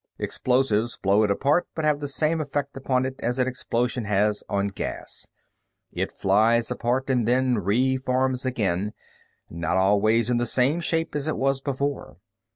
Explosives blow it apart, but have the same effect upon it as explosion has on gas. It flies apart and then reforms again, not always in the same shape as it was before.